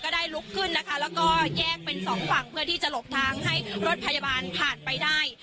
ได้ลุกขึ้นนะคะแล้วก็แยกเป็นสองฝั่งเพื่อที่จะหลบทางให้รถพยาบาลผ่านไปได้